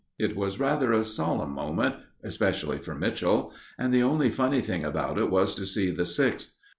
It was rather a solemn moment especially for Mitchell and the only funny thing about it was to see the Sixth.